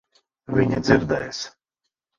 Viņa dzirdēs.